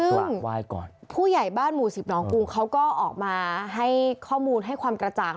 ไหว้ก่อนผู้ใหญ่บ้านหมู่สิบน้องกรุงเขาก็ออกมาให้ข้อมูลให้ความกระจ่าง